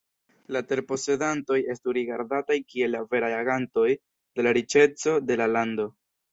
La terposedantoj estu rigardataj kiel la veraj agantoj de la riĉeco de la lando.